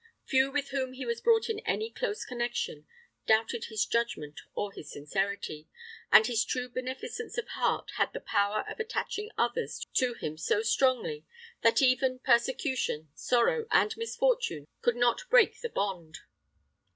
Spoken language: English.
Few with whom he was brought in any close connection doubted his judgment or his sincerity, and his true beneficence of heart had the power of attaching others to him so strongly that even persecution, sorrow, and misfortune could not break the bond.